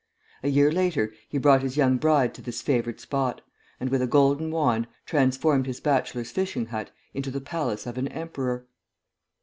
A year later he brought his young bride to this favored spot, and with a golden wand transformed his bachelor's fishing hut into the palace of an emperor.